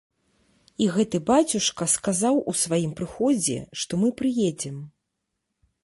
І гэты бацюшка сказаў у сваім прыходзе, што мы прыедзем.